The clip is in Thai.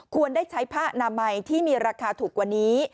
ได้ใช้ผ้านามัยที่มีราคาถูกกว่านี้